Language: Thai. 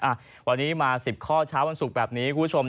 อ่ะวันนี้มา๑๐ข้อเช้าวันศุกร์แบบนี้คุณผู้ชม